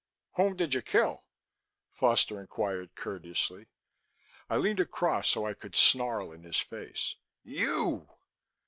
"Whom did you kill?" Foster inquired courteously. I leaned across so I could snarl in his face: "You!"